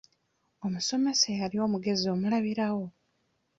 Omusomesa eyali omugezi omulabirawo.